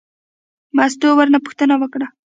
مستو ورنه پوښتنه وکړه.